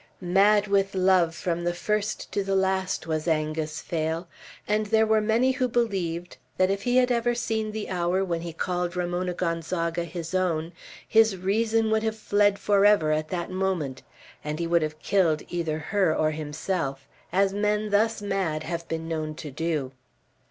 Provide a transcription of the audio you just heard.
Mad with love from the first to the last was Angus Phail; and there were many who believed that if he had ever seen the hour when he called Ramona Gonzaga his own, his reason would have fled forever at that moment, and he would have killed either her or himself, as men thus mad have been known to do.